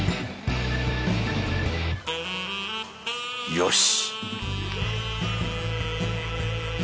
よし！